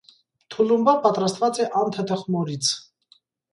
Թուլումբա պատրաստված է անթթխմորից։